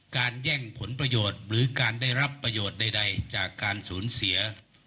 แย่งผลประโยชน์หรือการได้รับประโยชน์ใดจากการสูญเสีย